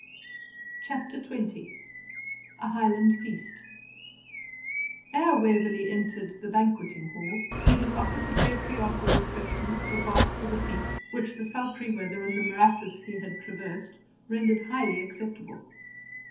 CHAPTER XX A HIGHLAND FEAST Ere Waverley entered the banqueting hall, he was offered the patriarchal refreshment of a bath for the feet, which the sultry weather, and the morasses he had traversed, rendered highly acceptable.